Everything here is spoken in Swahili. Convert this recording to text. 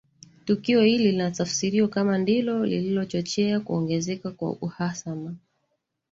Tukio hili linatafsiriwa kama ndilo lililochochea kuongezeka kwa uhasama